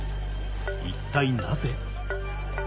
一体なぜ？